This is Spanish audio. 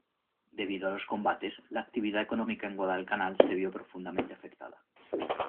Debido a los combates, la actividad económica en Guadalcanal se vio profundamente afectada.